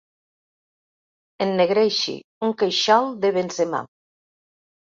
Ennegreixi un queixal de Benzema.